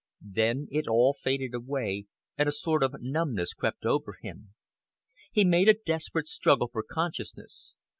Then it all faded away, and a sort of numbness crept over him. He made a desperate struggle for consciousness.